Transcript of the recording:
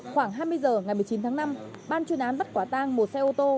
khoảng hai mươi h ngày một mươi chín tháng năm ban chuyên án bắt quả tang một xe ô tô